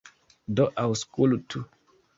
Do aŭskultu.